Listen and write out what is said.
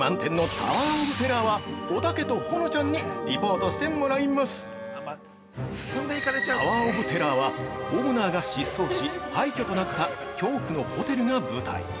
「タワー・オブ・テラー」は、オーナーが失踪し廃墟となった恐怖のホテルが舞台。